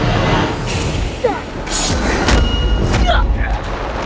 selalu menghabisi pihak yang biasa